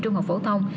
trung học phổ thông